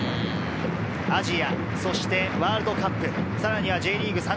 アジア、そしてワールドカップ、さらにＪリーグ